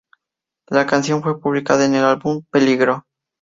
La canción fue publicada en el álbum "Peligro".